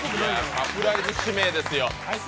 サプライズ指名ですよ。